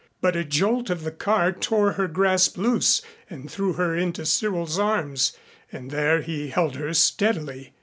But a jolt of the car tore her grasp loose and threw her into Cyril's arms and there he held her steadily.